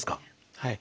はい。